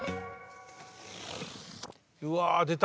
うわ出た。